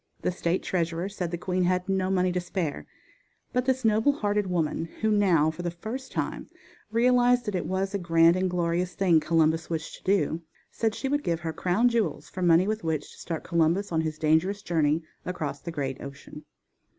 The state treasurer said the queen had no money to spare, but this noble hearted woman, who now, for the first time, realized that it was a grand and glorious thing Columbus wished to do, said she would give her crown jewels for money with which to start Columbus on his dangerous journey across the great ocean.